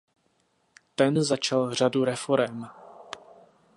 Ten začal řadu reforem.